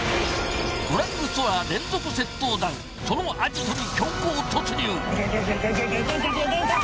ドラッグストア連続窃盗団そのアジトに強行突入。